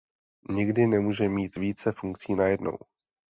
Nikdy nemůže mít více funkcí najednou.